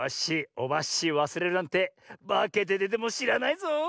オバッシーをわすれるなんてばけてでてもしらないぞ。